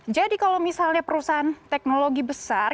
jadi kalau misalnya perusahaan teknologi besar